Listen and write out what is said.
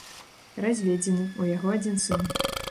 Разведзены, у яго адзін сын.